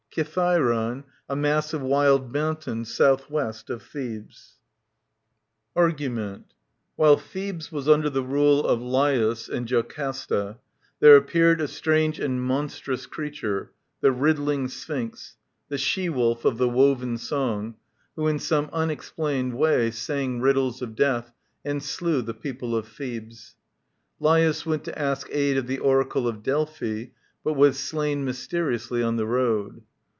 KiTHAiRON, a mass of wild mountain south mest of Thebes. i; y ". 0' f~ A '*. M t^' C ■/ ARGUMENT While Thebes was under the rale of Laius and JOCASTA there appeared a strange and monstrous creature, " the riddhng Sphinx," " the She Wolf of the woven song," who in some unexplained way sang riddles of death and slew the people of Thebes. LAJfus went to ask aid of the oracle of Delphi, but was slain mysteriously on the road.